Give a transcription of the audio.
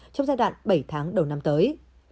trong giai đoạn bảy tháng đầu năm tới